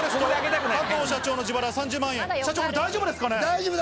加藤社長の自腹３０万円、大丈夫、大丈夫。